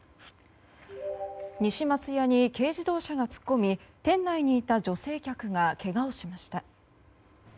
西松屋に軽自動車が突っ込み店内にいた女性客がけがをしました。